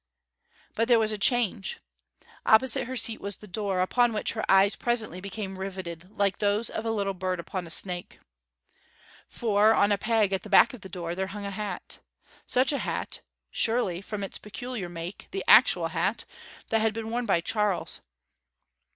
But there was a change. Opposite her seat was the door, upon which her eyes presently became riveted like those of a little bird upon a snake. For, on a peg at the back of the door, there hung a hat; such a hat surely, from its peculiar make, the actual hat that had been worn by Charles.